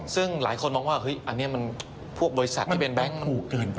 ซึ่งหลายคนมองว่าอันนี้มันพวกบริษัทที่เป็นแบงค์